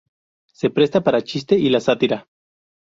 Se presta para el chiste y la sátira.